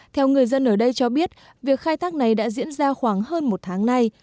theo người dân ở đây cho biết việc khai thác này đã diễn ra khoảng hơn một tháng nay